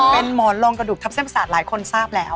เป็นหมอนรองกระดูกทับเส้นประสาทหลายคนทราบแล้ว